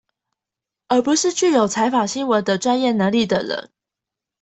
而不是具有採訪新聞的專業能力的人